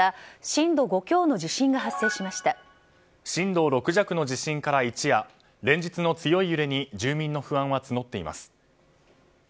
震度６弱の地震から一夜連日の強い揺れに住民の不安は募っています。